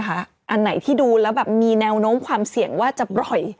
อันไหนที่ดูแล้วแบบมีแนวโน้มความเสี่ยงว่าจะปล่อย